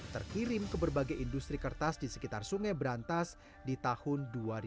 terkirim ke berbagai industri kertas di sekitar sungai berantas di tahun dua ribu dua